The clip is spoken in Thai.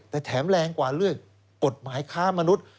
แต่แถมแรงกว่าเรื่องกฎหมายค้ามนุษย์